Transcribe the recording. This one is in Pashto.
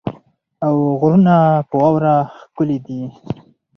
او غرونه په واوره ښکلې دي.